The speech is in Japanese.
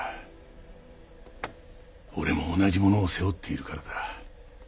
俺も同じものを背負っているからだ。